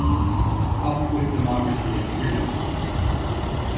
Up with democracy and freedom!